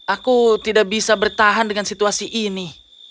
aku tidak bisa bertahan dengan situasi ini